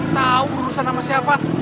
tau urusan sama siapa